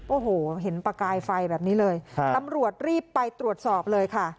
โอ้โหเห็นประกายไฟแบบนี้เลยตำรวจรีบไปตรวจสอบเลยค่ะ